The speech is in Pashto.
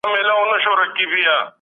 د مالي چارو سالم سیسټم اړین دی.